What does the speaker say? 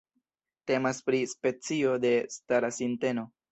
Temas pri specio de stara sinteno.